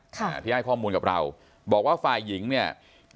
ค่ะที่ให้ข้อมูลกับเราบอกว่าฝ่ายหญิงเนี่ย